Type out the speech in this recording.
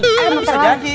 ini bisa jadi